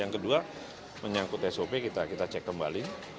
yang kedua menyangkut sop kita cek kembali